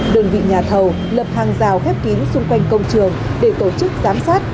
đơn vị nhà thầu lập hàng rào khép kín xung quanh công trường để tổ chức giám sát